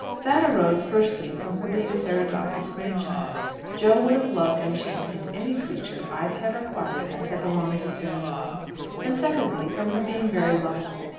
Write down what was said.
That arose, firstly, from her being Sarah Dobbs's grandchild (Jo would have loved and championed any creature, biped or quadruped, that belonged to Sarah Dobbs), and, secondly, from her being very lovable.